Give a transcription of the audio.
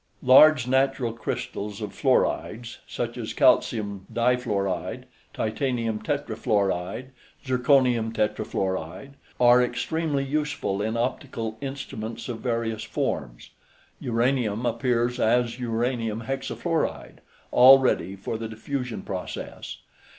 Large natural crystals of fluorides, such as calcium difluoride, titanium tetrafluoride, zirconium tetrafluoride, are extremely useful in optical instruments of various forms. Uranium appears as uranium hexafluoride, all ready for the diffusion process.